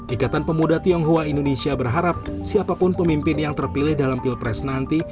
ikatan pemuda tionghoa indonesia berharap siapapun pemimpin yang terpilih dalam pilpres nanti